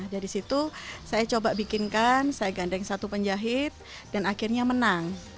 dari situ saya coba bikinkan saya gandeng satu penjahit dan akhirnya menang